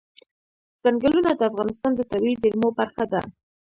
ځنګلونه د افغانستان د طبیعي زیرمو برخه ده.